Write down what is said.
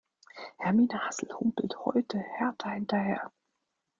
Hermine Hassel humpelt heute Hertha hinterher.